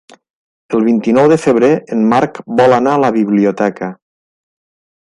El vint-i-nou de febrer en Marc vol anar a la biblioteca.